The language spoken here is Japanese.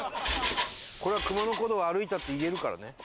これは熊野古道を歩いたって言えるからね。